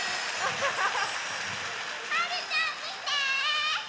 はるちゃんみて！